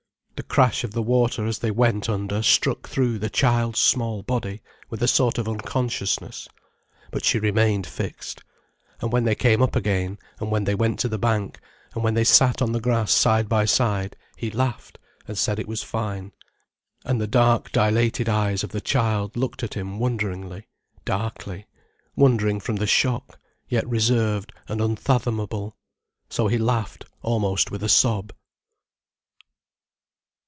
The crash of the water as they went under struck through the child's small body, with a sort of unconsciousness. But she remained fixed. And when they came up again, and when they went to the bank, and when they sat on the grass side by side, he laughed, and said it was fine. And the dark dilated eyes of the child looked at him wonderingly, darkly, wondering from the shock, yet reserved and unfathomable, so he laughed almost with a sob.